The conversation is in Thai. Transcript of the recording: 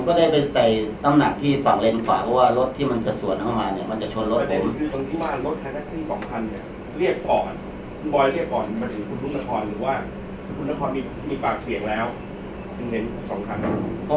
ผมก็ได้ไปใส่ต้ำหนักที่ฝั่งเลนกฝาเพราะว่ารถสวนเขามาจะชนรถผม